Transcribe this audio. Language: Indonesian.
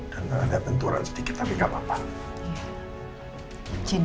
dan ada benturan sedikit tapi gak apa apa